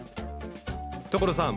所さん